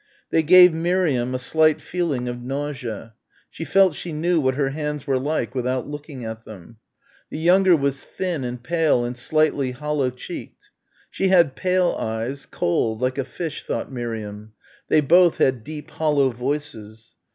They gave Miriam a slight feeling of nausea. She felt she knew what her hands were like without looking at them. The younger was thin and pale and slightly hollow cheeked. She had pale eyes, cold, like a fish, thought Miriam. They both had deep hollow voices.